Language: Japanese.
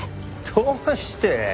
どうして？